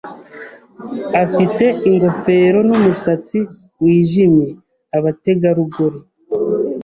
afite ingofero numusatsi wijimye abategarugori